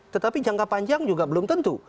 tetapi jangka panjang juga belum tentu